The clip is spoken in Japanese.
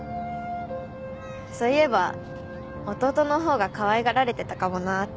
そういえば弟のほうがかわいがられてたかもなって。